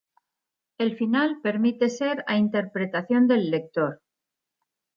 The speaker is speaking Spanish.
El final permite ser a interpretación del lector.